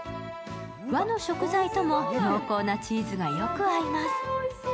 和の食材とも濃厚なチーズがよく合います。